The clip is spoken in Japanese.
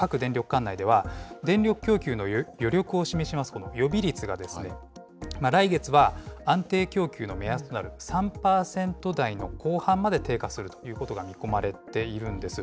管内では、電力供給の余力を示します、この予備率が来月は、安定供給の目安となる３％台の後半まで低下するということが見込まれているんです。